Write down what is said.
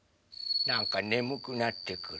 なんかねむくなってくる。